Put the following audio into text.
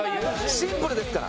シンプルですから。